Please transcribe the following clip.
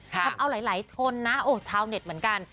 ทำเอาหลายชนนะโอ้ชาวเน็ตเหมือนกัน